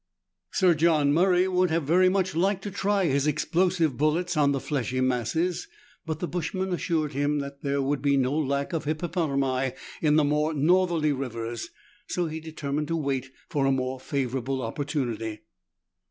Sir John Murray would have very much liked to try his explosive bullets on the fleshy masses, but the bushman assured him that there would be no lack of hippopotami in the more northerly rivers, so he determined to wait for a more favour able opportunity.